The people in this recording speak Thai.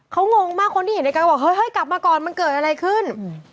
เขางงมากคนที่เห็นในการบอกเฮ้ยกลับมาก่อนมันเกิดอะไรขึ้น